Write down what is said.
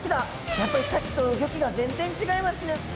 やっぱりさっきと動きが全然違いますね。